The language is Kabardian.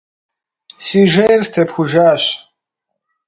Си жейр степхужащ.